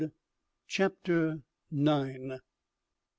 CHAPTER NINE.